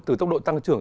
từ tốc độ tăng trưởng